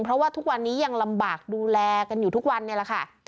เพราะว่าทุกวันนี้ยังลำบากดูแลกันอยู่ทุกวันเนี่ยแหละค่ะ